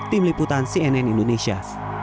tim liputan cnn indonesia